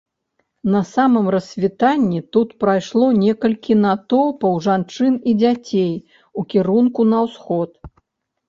На самым рассвітанні тут прайшло некалькі натоўпаў жанчын і дзяцей у кірунку на ўсход.